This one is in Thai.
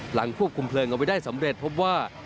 หลังควบคุมเพลิงเอาไว้ได้สำเร็จพบว่า